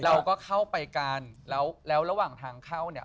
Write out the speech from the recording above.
เราก็เข้าไปกันแล้วแล้วระหว่างทางเข้าเนี่ย